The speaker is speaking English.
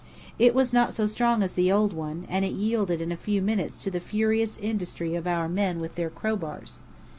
It was not so strong as the old one; and it yielded in a few minutes to the furious industry of our men with their crowbars.